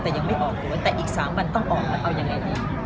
แต่ยังไม่ออกตัวแต่อีก๓วันต้องออกแล้วเอายังไงดี